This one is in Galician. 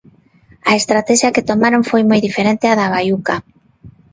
A estratexia que tomaron foi moi diferente á da Baiuca.